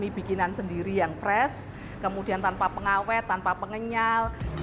bikinan sendiri yang fresh kemudian tanpa pengawet tanpa pengenyal